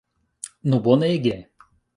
Nu, bonege!